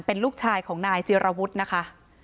เป็นลูกชายของนายจิรวุฒินะคะ